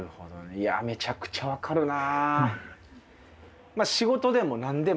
いや、めちゃくちゃ分かるな。